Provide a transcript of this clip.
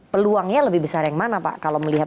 peluangnya lebih besar yang mana pak kalau melihat